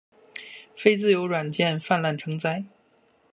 非自由软件泛滥成灾